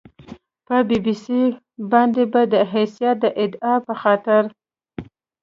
په بي بي سي باندې به د حیثیت د اعادې په خاطر